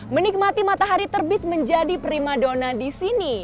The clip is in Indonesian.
menikmati matahari terbit menjadi prima dona di sini